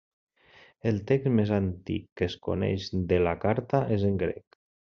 El text més antic que es coneix de la Carta és en grec.